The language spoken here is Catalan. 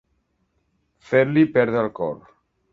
Fer-li perdre el cor.